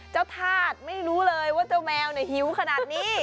ธาตุไม่รู้เลยว่าเจ้าแมวหิวขนาดนี้